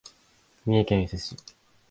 三重県伊勢市